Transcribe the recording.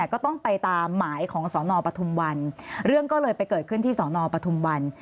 ก็ต้องไปตามหมายของสนปทุมวันเรื่องก็เลยไปเกิดขึ้นที่สอนอปทุมวัน